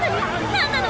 何なの！？